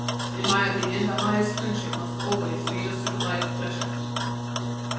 In my opinion the highest friendship must always lead us to the highest pleasure."